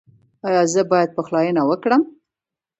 ایا زه باید پخلاینه وکړم؟